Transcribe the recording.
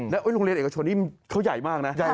แล้วโรงเรียนเอกชนนี่เขาใหญ่มากนะ